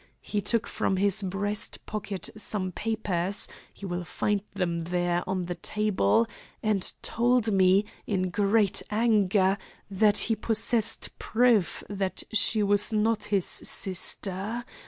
He took from his breast pocket some papers you will find them there, on the table and told me, in great anger, that he possessed proof that she was not his sister.